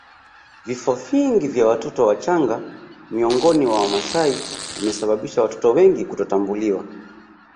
Vifo vingi vya watoto wachanga miongoni mwa Wamasai vimesababisha watoto wengi kutotambuliwa